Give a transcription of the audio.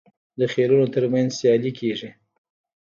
د خیلونو ترمنځ سیالي کیږي.